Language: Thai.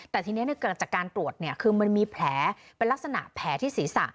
แต่ทีนี้เกิดจากการตรวจคือมันมีแผลเป็นลักษณะแผลที่ศีรษะ